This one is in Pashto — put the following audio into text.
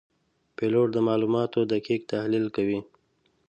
پیلوټ د معلوماتو دقیق تحلیل کوي.